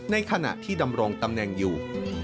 ในขณะที่ดำรงตำแหน่งอยู่